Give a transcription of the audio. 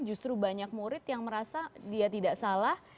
justru banyak murid yang merasa dia tidak salah